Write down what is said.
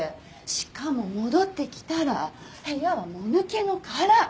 しかも戻って来たら部屋はもぬけの殻！